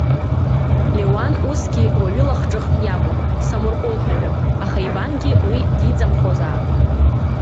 Леуан усгьы уаҩы лахҿыхк иакәын, самырҟәылҳәаҩык, аха Ивангьы уи диҵамхозаап.